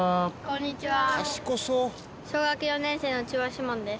こんにちは。